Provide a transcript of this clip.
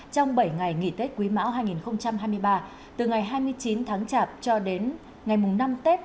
trong bảy ngày nghỉ tết quý mão hai nghìn hai mươi ba từ ngày hai mươi chín tháng chạp cho đến ngày mùng năm tết